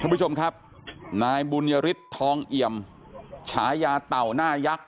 คุณผู้ชมครับนายบุญยฤทธิ์ทองเอี่ยมฉายาเต่าหน้ายักษ์